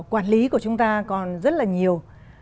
quản lý của chúng ta còn rất là nhiều